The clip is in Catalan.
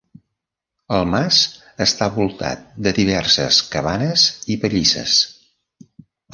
El mas està voltat de diverses cabanes i pallisses.